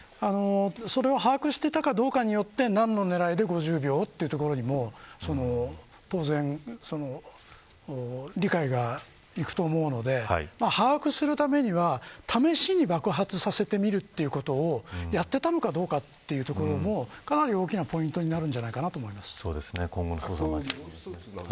それを把握していたかどうかによって何の狙いで５０秒というところにも当然、理解がいくと思うので把握するためには試しに爆発させてみるということをやっていたのかというところもかなり大きなポイントになるんじゃないかと思います。